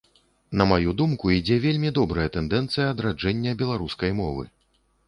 На маю думку, ідзе вельмі добрая тэндэнцыя адраджэння беларускай мовы.